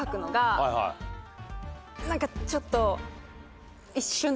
何かちょっと。